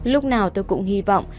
lúc nào tôi cũng hy vọng